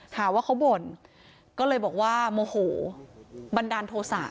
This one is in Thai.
หาว่าเขาบ่นก็เลยบอกว่าโมโหบันดาลโทษะ